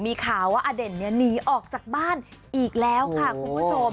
มีข่าวว่าอเด่นเนี่ยหนีออกจากบ้านอีกแล้วค่ะคุณผู้ชม